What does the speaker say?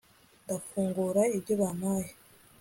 ndafungura ibyo bampaye